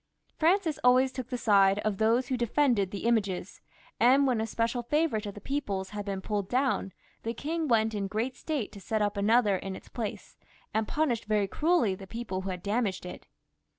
Francis always took the side of those who defended the images, and when a special favourite of the people's had been pulled down, the king went in great state to set up another in its place, and punished very cruelly the people who had hurt it.